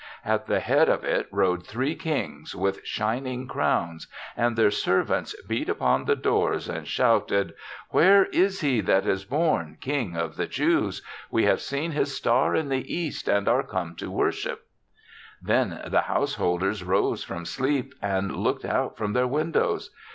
At the head of it rode three kings with shin ing crowns, and their servants beat upon the doors and shouted, ' Where is he that is born King of the Jews? 36 THE SEVENTH CHRISTMAS We have seen his star in the East and are come to worship/ " Then the householders rose from sleep and looked out from their win dows.